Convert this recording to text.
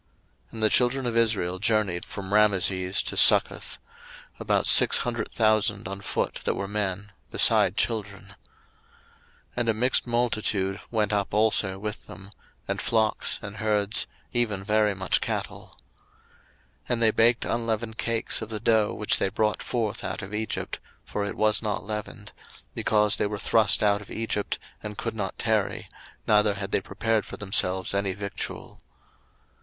02:012:037 And the children of Israel journeyed from Rameses to Succoth, about six hundred thousand on foot that were men, beside children. 02:012:038 And a mixed multitude went up also with them; and flocks, and herds, even very much cattle. 02:012:039 And they baked unleavened cakes of the dough which they brought forth out of Egypt, for it was not leavened; because they were thrust out of Egypt, and could not tarry, neither had they prepared for themselves any victual.